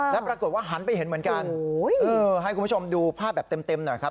แล้วปรากฏว่าหันไปเห็นเหมือนกันให้คุณผู้ชมดูภาพแบบเต็มหน่อยครับ